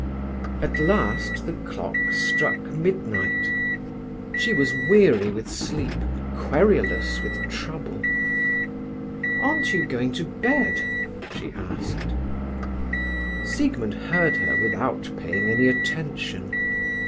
At last the clock struck midnight. She was weary with sleep, querulous with trouble. "Aren't you going to bed?" she asked. Siegmund heard her without paying any attention.